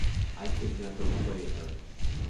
I could never play her.